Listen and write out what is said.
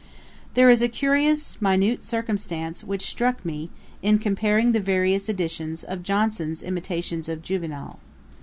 1754.] There is a curious minute circumstance which struck me, in comparing the various editions of Johnson's imitations of Juvenal.